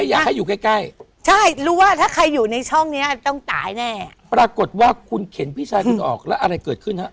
อยากให้อยู่ใกล้ใกล้ใช่รู้ว่าถ้าใครอยู่ในช่องเนี้ยต้องตายแน่ปรากฏว่าคุณเข็นพี่ชายคุณออกแล้วอะไรเกิดขึ้นฮะ